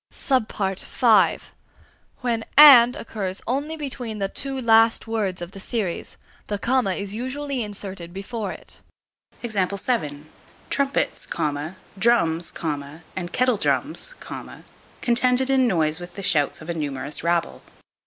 (e) When "and" occurs only between the two last words of the series, the comma is usually inserted before it. Trumpets, drums, and kettle drums, contended in noise with the shouts of a numerous rabble.